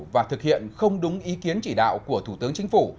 và thực hiện không đúng ý kiến chỉ đạo của thủ tướng chính phủ